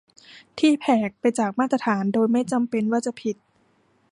ที่แผกไปจากมาตรฐาน โดยไม่จำเป็นว่าจะผิด